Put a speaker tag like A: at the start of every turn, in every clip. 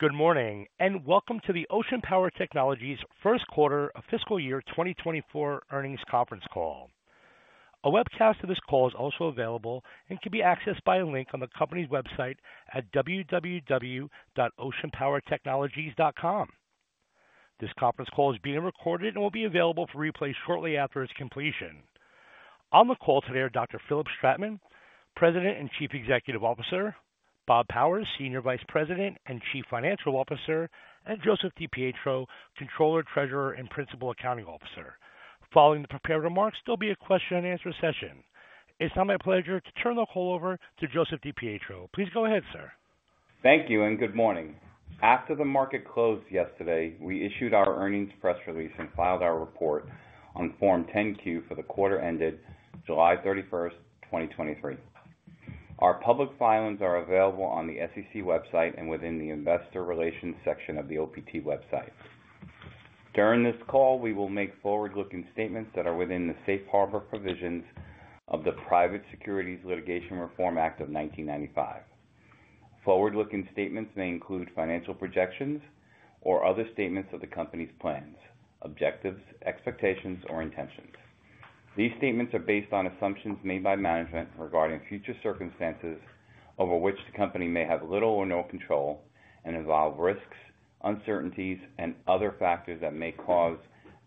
A: Good morning, and welcome to the Ocean Power Technologies Q1 of Fiscal Year 2024 Earnings Conference Call. A webcast of this call is also available and can be accessed by a link on the company's website at www.oceanpowertechnologies.com. This conference call is being recorded and will be available for replay shortly after its completion. On the call today are Dr. Philipp Stratmann, President and Chief Executive Officer, Bob Powers, Senior Vice President and Chief Financial Officer, and Joseph DiPietro, Controller, Treasurer, and Principal Accounting Officer. Following the prepared remarks, there'll be a question-and-answer session. It's now my pleasure to turn the call over to Joseph DiPietro. Please go ahead, sir.
B: Thank you, and good morning. After the market closed yesterday, we issued our earnings press release and filed our report on Form 10-Q for the quarter ended July 31, 2023. Our public filings are available on the SEC website and within the Investor Relations section of the OPT website. During this call, we will make forward-looking statements that are within the Safe Harbor provisions of the Private Securities Litigation Reform Act of 1995. Forward-looking statements may include financial projections or other statements of the company's plans, objectives, expectations, or intentions. These statements are based on assumptions made by management regarding future circumstances over which the company may have little or no control and involve risks, uncertainties, and other factors that may cause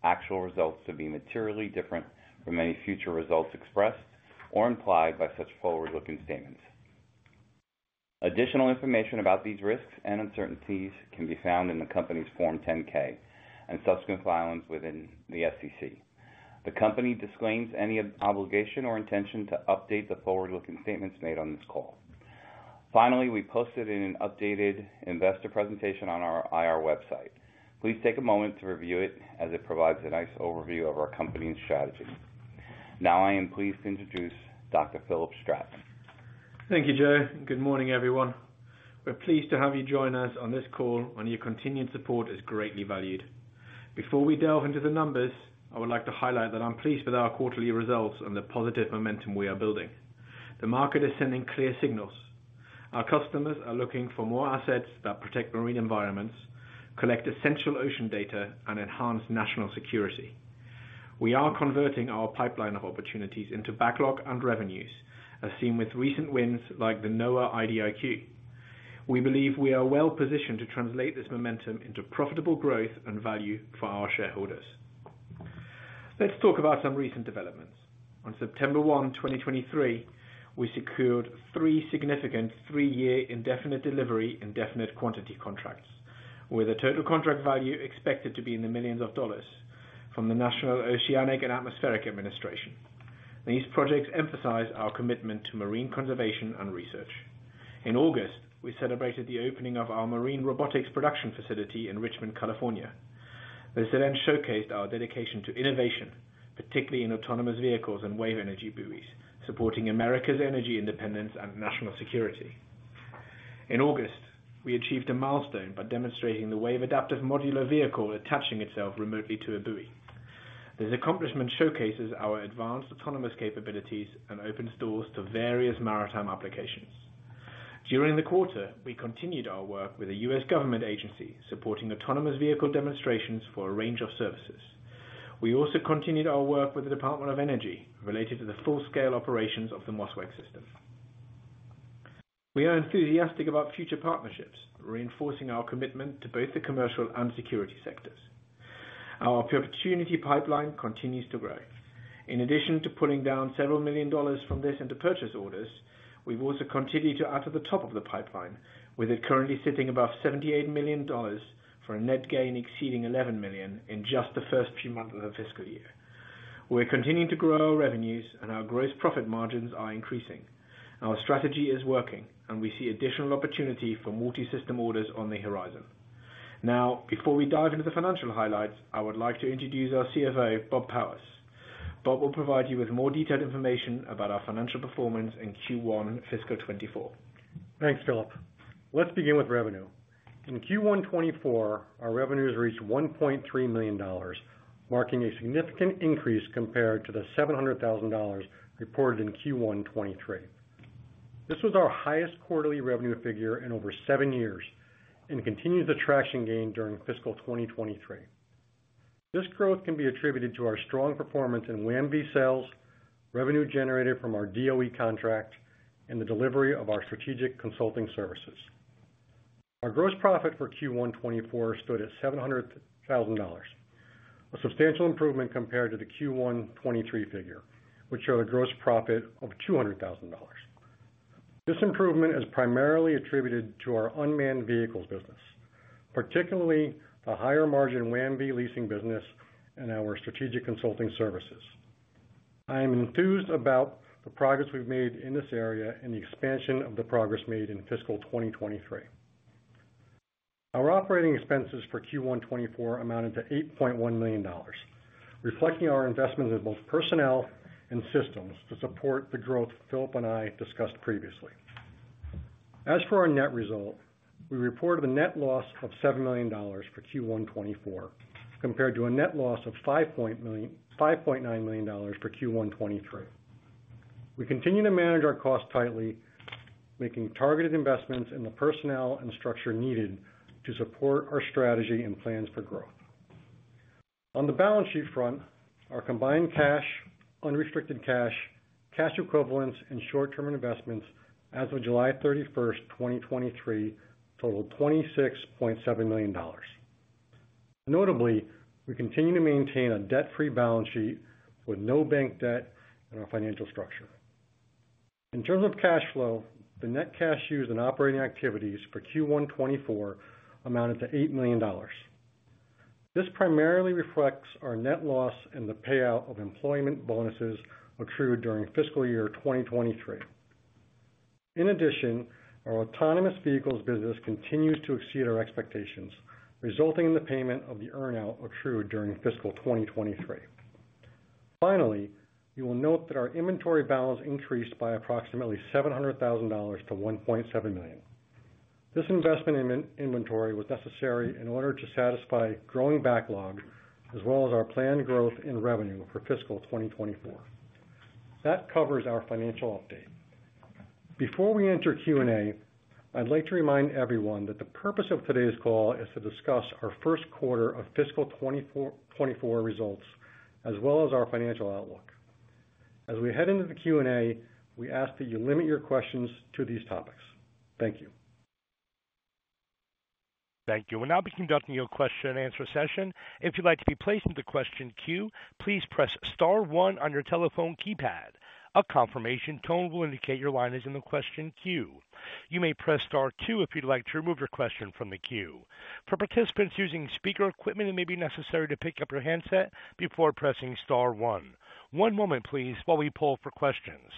B: actual results to be materially different from any future results expressed or implied by such forward-looking statements. Additional information about these risks and uncertainties can be found in the company's Form 10-K and subsequent filings within the SEC. The company disclaims any obligation or intention to update the forward-looking statements made on this call. Finally, we posted an updated investor presentation on our IR website. Please take a moment to review it as it provides a nice overview of our company and strategy. Now I am pleased to introduce Dr. Philipp Stratmann.
C: Thank you, Joe. Good morning, everyone. We're pleased to have you join us on this call, and your continued support is greatly valued. Before we delve into the numbers, I would like to highlight that I'm pleased with our quarterly results and the positive momentum we are building. The market is sending clear signals. Our customers are looking for more assets that protect marine environments, collect essential ocean data, and enhance national security. We are converting our pipeline of opportunities into backlog and revenues, as seen with recent wins like the NOAA IDIQ. We believe we are well-positioned to translate this momentum into profitable growth and value for our shareholders. Let's talk about some recent developments. On September 1, 2023, we secured 3 significant 3-year Indefinite Delivery, Indefinite Quantity contracts, with a total contract value expected to be in the $ millions from the National Oceanic and Atmospheric Administration. These projects emphasize our commitment to marine conservation and research. In August, we celebrated the opening of our marine robotics production facility in Richmond, California. This event showcased our dedication to innovation, particularly in autonomous vehicles and wave energy buoys, supporting America's energy, independence, and national security. In August, we achieved a milestone by demonstrating the Wave Adaptive Modular Vehicle attaching itself remotely to a buoy. This accomplishment showcases our advanced autonomous capabilities and opens doors to various maritime applications. During the quarter, we continued our work with the U.S. government agency, supporting autonomous vehicle demonstrations for a range of services. We also continued our work with the Department of Energy, related to the full-scale operations of the MOSWEC System. We are enthusiastic about future partnerships, reinforcing our commitment to both the commercial and security sectors. Our opportunity pipeline continues to grow. In addition to putting down $several million from this into purchase orders, we've also continued to add to the top of the pipeline, with it currently sitting above $78 million, for a net gain exceeding $11 million in just the first few months of the fiscal year. We're continuing to grow our revenues and our gross profit margins are increasing. Our strategy is working, and we see additional opportunity for multi-system orders on the horizon. Now, before we dive into the financial highlights, I would like to introduce our CFO, Bob Powers. Bob will provide you with more detailed information about our financial performance in Q1 fiscal 2024.
D: Thanks, Philipp. Let's begin with revenue. In Q1 2024, our revenues reached $1.3 million, marking a significant increase compared to the $700,000 reported in Q1 2023. This was our highest quarterly revenue figure in over 7 years and continues the traction gain during fiscal 2023. This growth can be attributed to our strong performance in WAM-V sales, revenue generated from our DOE contract, and the delivery of our strategic consulting services. Our gross profit for Q1 2024 stood at $700,000, a substantial improvement compared to the Q1 2023 figure, which showed a gross profit of $200,000. This improvement is primarily attributed to our unmanned vehicles business, particularly the higher-margin WAM-V leasing business and our strategic consulting services. I am enthused about the progress we've made in this area and the expansion of the progress made in fiscal 2023. Our operating expenses for Q1 2024 amounted to $8.1 million, reflecting our investment in both personnel and systems to support the growth Philipp and I discussed previously. As for our net result, we reported a net loss of $7 million for Q1 2024, compared to a net loss of $5.9 million for Q1 2023. We continue to manage our costs tightly, making targeted investments in the personnel and structure needed to support our strategy and plans for growth. On the balance sheet front, our combined cash, unrestricted cash, cash equivalents, and short-term investments as of July 31, 2023, totaled $26.7 million. Notably, we continue to maintain a debt-free balance sheet with no bank debt in our financial structure. In terms of cash flow, the net cash used in operating activities for Q1 2024 amounted to $8 million. This primarily reflects our net loss and the payout of employment bonuses accrued during fiscal year 2023. In addition, our autonomous vehicles business continues to exceed our expectations, resulting in the payment of the earn-out accrued during fiscal 2023. Finally, you will note that our inventory balance increased by approximately $700,000 to $1.7 million. This investment in inventory was necessary in order to satisfy growing backlog, as well as our planned growth in revenue for fiscal 2024. That covers our financial update. Before we enter Q&A, I'd like to remind everyone that the purpose of today's call is to discuss our Q1 of fiscal 2024, 2024 results, as well as our financial outlook. As we head into the Q&A, we ask that you limit your questions to these topics. Thank you.
A: Thank you. We'll now be conducting your question and answer session. If you'd like to be placed in the question queue, please press star one on your telephone keypad. A confirmation tone will indicate your line is in the question queue. You may press star two if you'd like to remove your question from the queue. For participants using speaker equipment, it may be necessary to pick up your handset before pressing star one. One moment, please, while we pull for questions.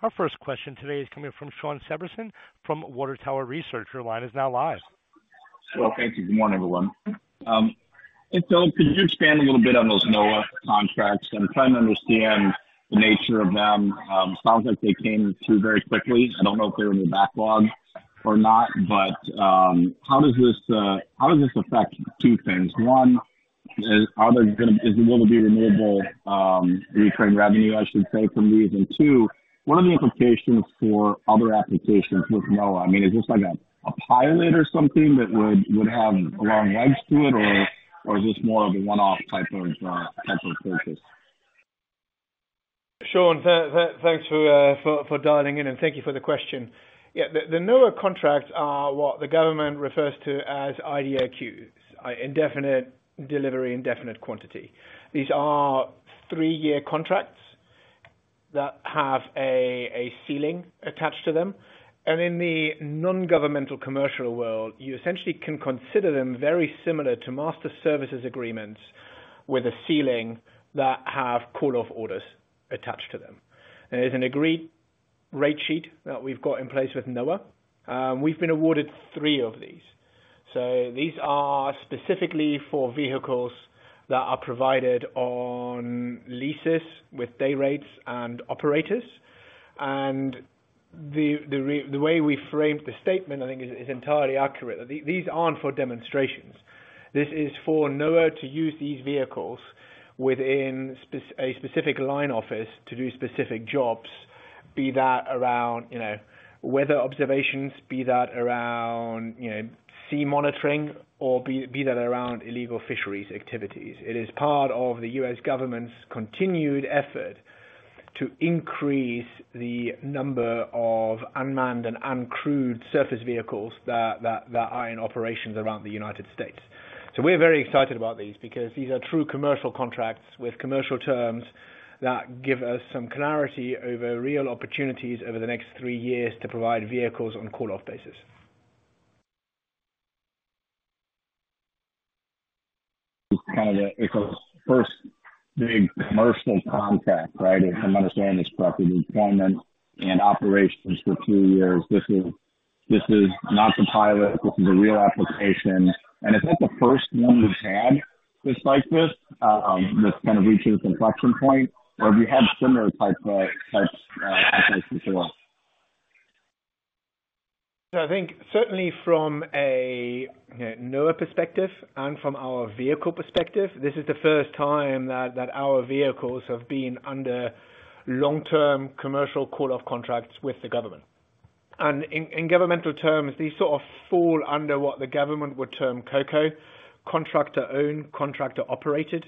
A: Our first question today is coming from Shawn Severson from Water Tower Research. Your line is now live.
E: Well, thank you. Good morning, everyone. Hey, Phil, could you expand a little bit on those NOAA contracts? I'm trying to understand the nature of them. Sounds like they came through very quickly. I don't know if they're in the backlog or not, but how does this affect two things? One, are there going to be renewable recurring revenue, I should say, from these? And two, what are the implications for other applications with NOAA? I mean, is this like a pilot or something that would have long legs to it or is this more of a one-off type of purchase?
C: Sean, thanks for dialing in, and thank you for the question. Yeah, the NOAA contracts are what the government refers to as IDIQs, Indefinite Delivery, Indefinite Quantity. These are three-year contracts that have a ceiling attached to them, and in the non-governmental commercial world, you essentially can consider them very similar to master services agreements with a ceiling that have call-off orders attached to them. There's an agreed rate sheet that we've got in place with NOAA. We've been awarded three of these. So these are specifically for vehicles that are provided on leases with day rates and operators. And the way we framed the statement, I think is entirely accurate. These aren't for demonstrations. This is for NOAA to use these vehicles within a specific line office to do specific jobs, be that around, you know, weather observations, be that around, you know, sea monitoring, or be that around illegal fisheries activities. It is part of the U.S. government's continued effort to increase the number of unmanned and uncrewed surface vehicles that are in operations around the United States. So we're very excited about these, because these are true commercial contracts with commercial terms that give us some clarity over real opportunities over the next three years to provide vehicles on a call-off basis.
E: It's kind of the OPT's first big commercial contract, right? If I'm understanding this correctly, deployment and operations for 2 years, this is not the pilot, this is a real application. And is that the first one we've had just like this, that's kind of reaching an inflection point, or have you had similar types before?
C: So I think certainly from a, you know, NOAA perspective and from our vehicle perspective, this is the first time that our vehicles have been under long-term commercial call-off contracts with the government. In governmental terms, these sort of fall under what the government would term COCO, Contractor-Owned Contractor-Operated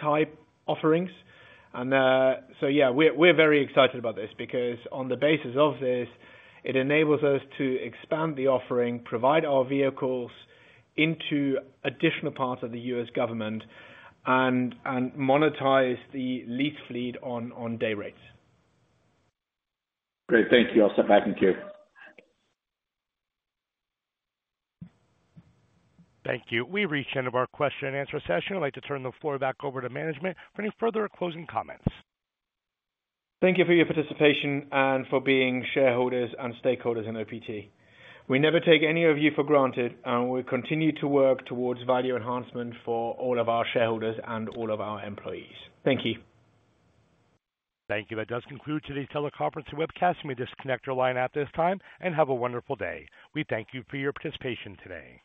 C: type offerings. So yeah, we're very excited about this because on the basis of this, it enables us to expand the offering, provide our vehicles into additional parts of the U.S. government and monetize the lease fleet on day rates.
E: Great. Thank you. I'll step back in queue.
A: Thank you. We've reached the end of our question and answer session. I'd like to turn the floor back over to management for any further closing comments.
C: Thank you for your participation and for being shareholders and stakeholders in OPT. We never take any of you for granted, and we continue to work towards value enhancement for all of our shareholders and all of our employees. Thank you.
A: Thank you. That does conclude today's teleconference and webcast. You may disconnect your line at this time and have a wonderful day. We thank you for your participation today.